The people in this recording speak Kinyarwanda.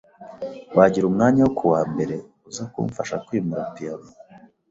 Wagira umwanya wo kuwa mbere uza kumfasha kwimura piyano?